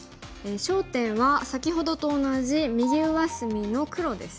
焦点は先ほどと同じ右上隅の黒ですね。